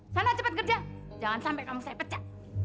sana cepat kerja jangan sampai kamu saya pecah